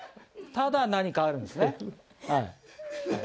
ただ何かあるんですね。